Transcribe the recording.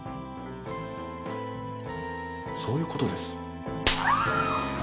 そういう事です。